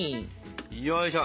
よいしょ。